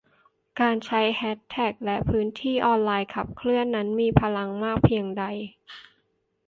การใช้แฮชแท็กและพื้นที่ออนไลน์ขับเคลื่อนนั้นมีพลังมากเพียงใด